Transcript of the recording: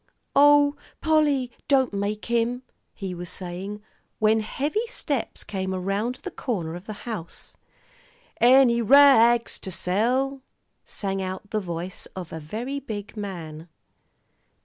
"Oh, Polly, don't make him," he was saying, when heavy steps came around the corner of the house. "Any ra ags to sell?" sang out the voice of a very big man.